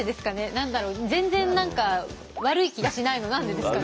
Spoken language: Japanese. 何だろう全然何か悪い気がしないの何でですかね？